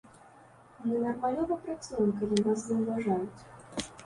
Мы нармалёва працуем, калі нас заўважаюць.